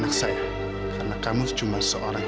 bagaimana kamu keluar dulu pak